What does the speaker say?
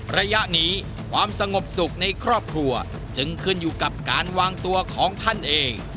ระยะนี้ความสงบสุขในครอบครัวจึงขึ้นอยู่กับการวางตัวของท่านเอง